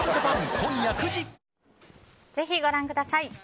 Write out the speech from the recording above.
ぜひご覧ください。